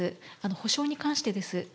補償に関してです。